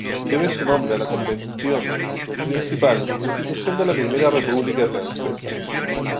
Debe su nombre a la Convention principal institución de la Primera República Francesa.